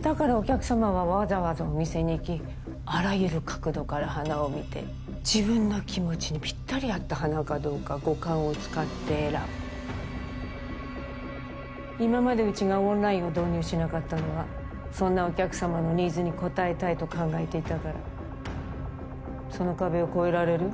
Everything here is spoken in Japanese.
だからお客様はわざわざお店に行きあらゆる角度から花を見て自分の気持ちにぴったり合った花かどうか五感を使って選ぶ今までうちがオンラインを導入しなかったのはそんなお客様のニーズに応えたいと考えていたからその壁を越えられる？